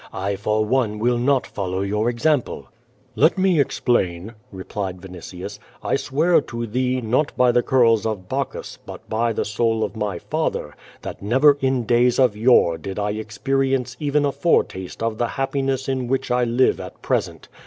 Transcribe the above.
I for one will not follow your example." "lA»t nic explain," replied Vinitius, "I swear to thee, not by the curls of liaochus, but by the soul of my father, that never in days of yore did 1 experience even a foretaste of the hap piness in which I live at present.